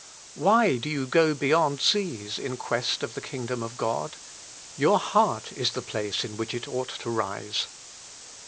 Why do you go beyond seas in quest of the kingdom of God?... Your heart is the place in which it ought to rise.